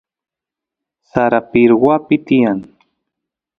sara pirwapi tiyan